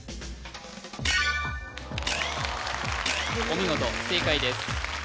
お見事正解です